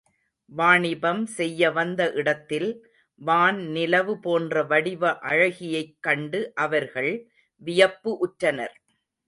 வாணிபம் செய்ய வந்த இடத்தில் வான் நிலவு போன்ற வடிவ அழகியைக் கண்டு அவர்கள் வியப்பு உற்றனர்.